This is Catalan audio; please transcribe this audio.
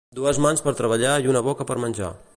Dues mans per treballar i una boca per menjar.